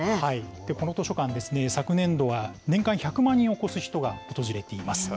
この図書館ですね、昨年度は年間１００万人を超す人が訪れています。